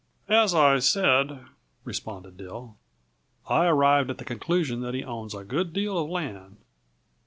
"As I said," responded Dill, "I arrived at the conclusion that he owns a good deal of land."